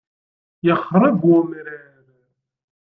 Yexṛeb umrar.